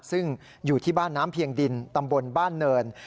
ซึ่งอยู่ที่บ้านน้ำเพียงดินตำบลบ้านเนิน